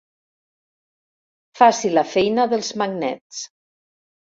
Faci la feina dels magnets.